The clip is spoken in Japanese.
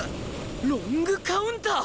ロングカウンター！？